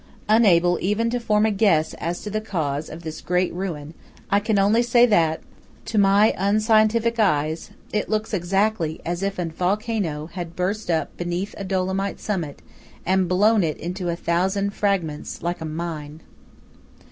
Unable even to form a guess as to the cause of this great ruin, I can only say that, to my unscientific eyes, it looks exactly as if a volcano had burst up beneath a Dolomite summit and blown it into a thousand fragments, like a mine.